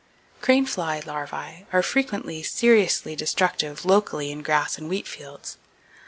Crane fly larvae are frequently seriously destructive locally in grass and wheat fields.